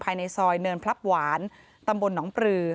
ภายในซอยเนินพลับหวานตำบลหนองปลือ